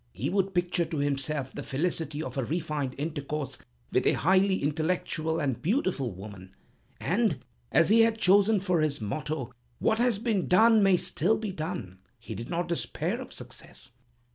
He would picture to himself the felicity of a refined intercourse with a highly intellectual and beautiful woman, and, as he had chosen for his motto, What has been done may still be done, he did not despair of success.